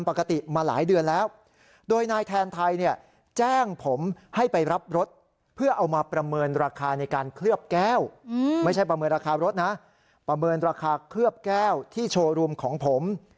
ประเมินราคารถนะประเมินราคาเคลือบแก้วที่โชว์รูมของผม